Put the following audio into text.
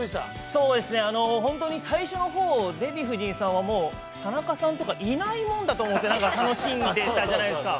◆そうですね、本当に、最初のほう、デヴィ夫人さんは、もう田中さんとかいないものだと思って楽しんでたじゃないですか。